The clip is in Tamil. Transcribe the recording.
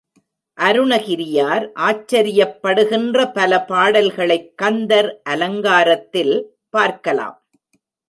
அருணகிரியார் ஆச்சரியப்படுகின்ற பல பாடல்களைக் கந்தர் அலங்காரத்தில் பார்க்கலாம்.